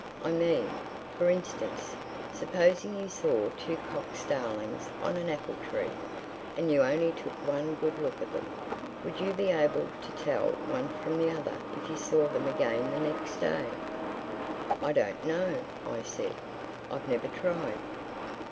I mean, for instance, supposing you saw two cock starlings on an apple tree, and you only took one good look at them—would you be able to tell one from the other if you saw them again the next day?" "I don't know," I said. "I've never tried."